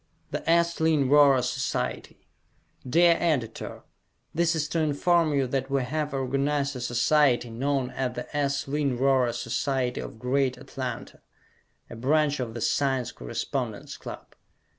The S: Lynn Rhorer Society Dear Editor: This is to inform you that we have organized a society known as the S. Lynn Rhorer Society of Greater Atlanta, a branch of the Science Correspondence Club.